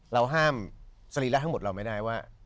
เราห้ามสรีระทั้งหมดเราไม่ได้ว่า